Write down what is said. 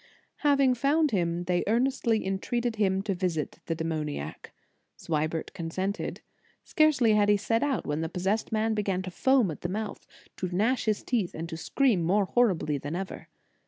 Having found him, they earn estly entreated him to visit the demoniac. Swibert consented. Scarcely had he set out, when the possessed man began to foam at the mouth, to gnash his teeth, and to scream more horribly than ever.